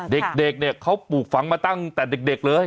เด็กเนี่ยเขาปลูกฝังมาตั้งแต่เด็กเลย